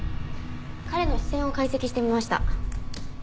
彼の視線を解析してみました。